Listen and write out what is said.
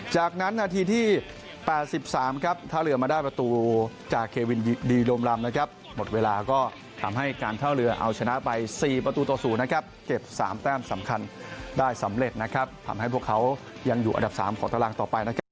จากนั้นนาทีที่๘๓ครับท่าเรือมาได้ประตูจากเควินดีโดมลำนะครับหมดเวลาก็ทำให้การท่าเรือเอาชนะไป๔ประตูต่อ๐นะครับเก็บ๓แต้มสำคัญได้สำเร็จนะครับทำให้พวกเขายังอยู่อันดับ๓ของตารางต่อไปนะครับ